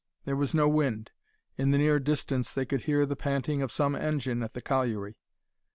There was no wind. In the near distance they could hear the panting of some engine at the colliery.